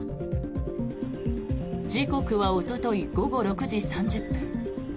時刻はおととい午後６時３０分。